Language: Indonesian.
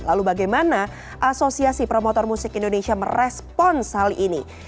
lalu bagaimana asosiasi promotor musik indonesia merespons hal ini